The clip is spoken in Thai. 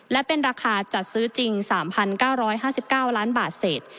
และเป็นราคาจัดซื้อจริง๓๙๕๙ล้านบาทเศษ